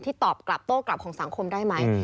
ตอบกลับโต้กลับของสังคมได้ไหม